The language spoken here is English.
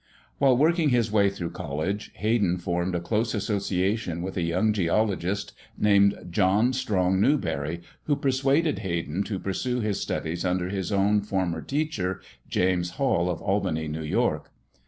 While working his way through college, Hayden formed a close association with a young geologist named John Strong Newberry, who persuaded Hayden to pursue his studies under his own former teacher, James Hall of Albany, New York.